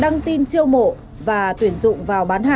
đăng tin chiêu mộ và tuyển dụng vào bán hàng